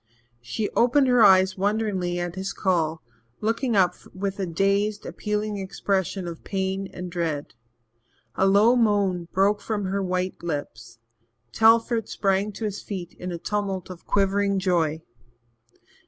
She opened her eyes wonderingly at his call, looking up with a dazed, appealing expression of pain and dread. A low moan broke from her white lips. Telford sprang to his feet in a tumult of quivering joy.